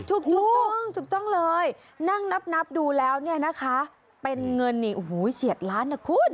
ถูกต้องถูกต้องเลยนั่งนับดูแล้วเนี่ยนะคะเป็นเงินนี่โอ้โหเฉียดล้านนะคุณ